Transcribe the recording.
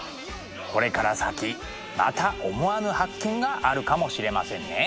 これから先また思わぬ発見があるかもしれませんね。